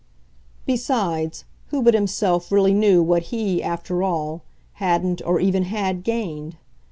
Besides, who but himself really knew what he, after all, hadn't, or even had, gained?